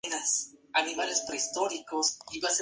Entonces, un nombre menos explícito tenía que ser encontrado.